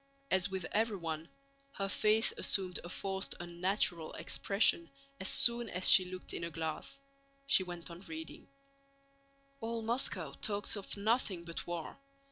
As with everyone, her face assumed a forced unnatural expression as soon as she looked in a glass. She went on reading: All Moscow talks of nothing but war.